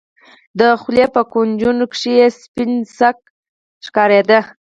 د خولې په کونجونو کښې يې سپين ځګ ښکارېده.